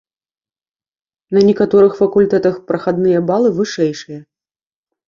На некаторых факультэтах прахадныя балы вышэйшыя.